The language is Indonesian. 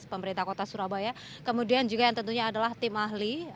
pemerintah kota surabaya kemudian juga yang tentunya adalah tim ahli